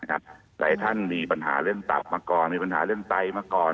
หลายท่านมีปัญหาเรื่องตับมาก่อนมีปัญหาเรื่องไตมาก่อน